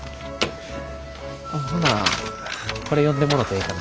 ほなこれ読んでもろてええかな？